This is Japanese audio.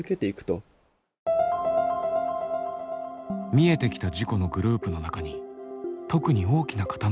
見えてきた事故のグループの中に特に大きな塊がありました。